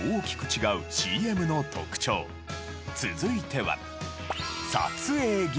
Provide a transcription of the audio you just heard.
続いては。